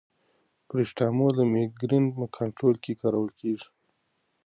پاراسټامول د مېګرین کنټرول کې کارول کېږي.